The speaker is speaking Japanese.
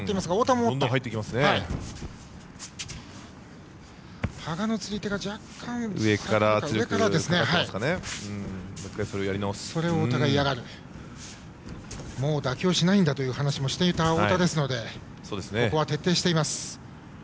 もう妥協しないんだという話もしていた太田ですのでここは徹底しています。